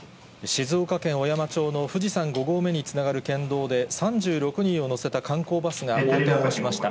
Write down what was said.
静岡県小山町の富士山５合目につながる県道で、３６人を乗せた観光バスが横転をしました。